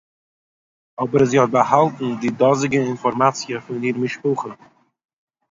אָבער זי האָט באַהאַלטן די דאָזיגע אינפאָרמאַציע פון איר משפּחה